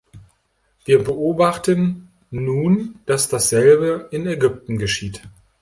Wir beobachten nun, dass dasselbe in Ägypten geschieht.